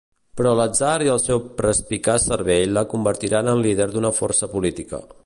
Però l’atzar i el seu perspicaç cervell la convertiran en líder d’una força política.